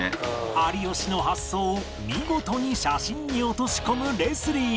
有吉の発想を見事に写真に落とし込むレスリー